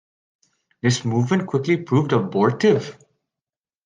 This movement quickly proved abortive.